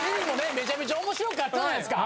めちゃめちゃ面白かったじゃないですか。